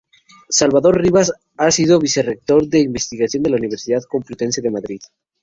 Salvador Rivas ha sido Vicerrector de investigación de la Universidad Complutense de Madrid.